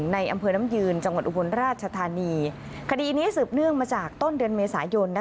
ในอำเภอน้ำยืนจังหวัดอุบลราชธานีคดีนี้สืบเนื่องมาจากต้นเดือนเมษายน